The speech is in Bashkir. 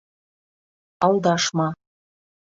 Алдашма!